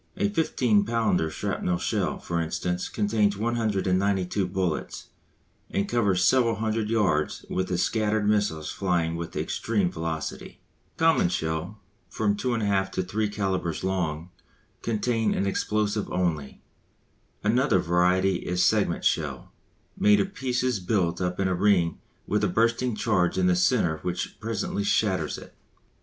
A 15 pounder shrapnell shell, for instance, contains 192 bullets, and covers several hundred yards with the scattered missiles flying with extreme velocity. Common shell, from 2 1/2 to 3 calibres long, contains an explosive only. Another variety is segment shell, made of pieces built up in a ring with a bursting charge in the centre which presently shatters it.